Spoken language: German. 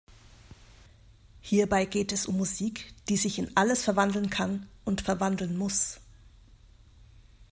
Hierbei geht es um Musik, „die sich in alles verwandeln kann und verwandeln muss“.